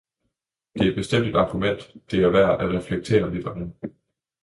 Det er bestemt et argument, det er værd at reflektere lidt over.